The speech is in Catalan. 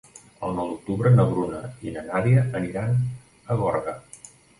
El nou d'octubre na Bruna i na Nàdia aniran a Gorga.